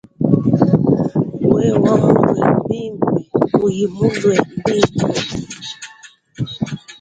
Wewa mulue bimpe kuyi mulue bimpe.